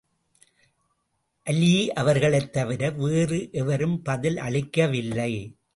அலீ அவர்களைத் தவிர வேறு எவரும் பதில் அளிக்கவில்லை.